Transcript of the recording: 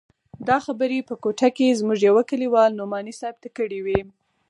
دا خبرې په کوټه کښې زموږ يوه کليوال نعماني صاحب ته کړې وې.